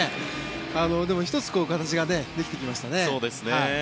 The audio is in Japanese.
でも、１つ形ができてきましたね。